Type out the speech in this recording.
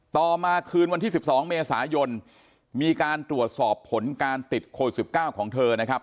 ต่อมาคืนวันที่๑๒เมษายนมีการตรวจสอบผลการติดโควิด๑๙ของเธอนะครับ